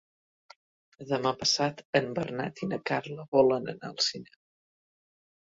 Demà passat en Bernat i na Carla volen anar al cinema.